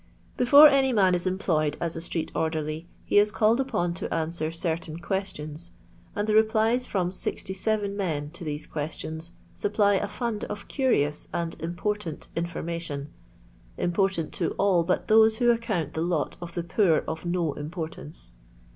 Before any man is employed as a street orderly, he is called upon to answer certain questions, and the replies from 87 men to these questions supply a fund of curious and important information — ^im portant to all but those who account the lot of the r»r of no importance.